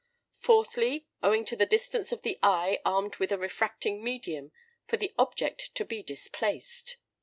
Fourthly, owing to the distance of the eye armed with a refracting medium from the object to be displaced.